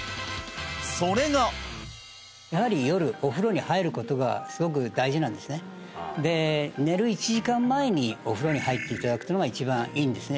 それがやはり夜お風呂に入ることがすごく大事なんですねで寝る１時間前にお風呂に入っていただくってのが一番いいんですね